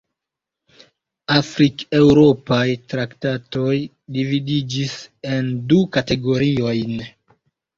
La afrikeŭropaj traktatoj dividiĝis en du kategoriojn.